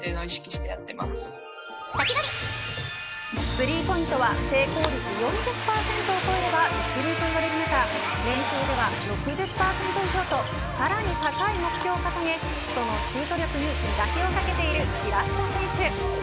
スリーポイントは成功率４０％を超えれば一流といわれる中、練習では６０％以上とさらに高い目標を掲げそのシュート力に磨きをかけている平下選手。